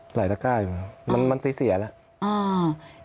หลายตะก้าอยู่มันเสียแล้ว